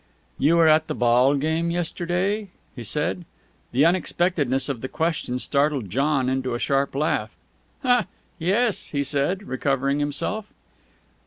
"You were at the ball game yesterday?" he said. The unexpectedness of the question startled John into a sharp laugh. "Yes," he said, recovering himself.